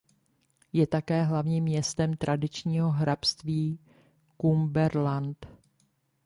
Je také hlavním městem tradičního hrabství Cumberland.